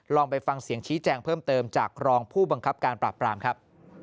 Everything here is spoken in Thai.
ไปฟังเสียงชี้แจงเพิ่มเติมจากรองผู้บังคับการปราบปรามครับ